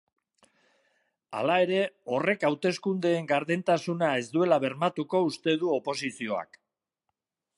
Hala ere, horrek hauteskundeen gardentasuna ez duela bermatuko uste du oposizioak.